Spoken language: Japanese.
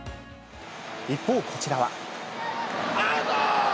一方、こちらは。